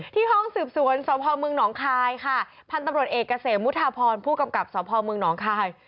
ที่ห้องสืบสวนสพมนคายค่ะพันธุ์ตำรวจเอกเกษมมุธาพรผู้กำกับสพมนคาย